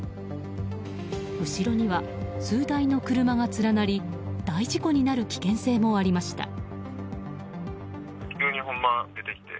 後ろには数台の車が連なり大事故になる危険性もありました。